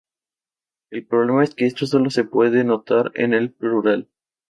El problema es que esto solo se puede notar en el plural.